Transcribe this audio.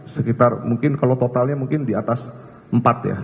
sekitar mungkin kalau totalnya mungkin di atas empat ya